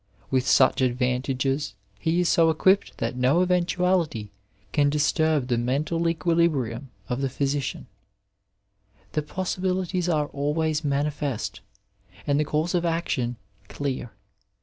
With such advantages he is so equipped that no eventuality can disturb the mental equilibrium of the physician ; the possibilities are always manifest, and the course of action clear.